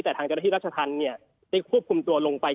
แต่ทางเจ้าหน้าที่รัชธรรมได้ควบคุมตัวลงไป